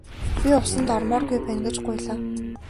Би усанд ормооргүй байна гэж гуйлаа.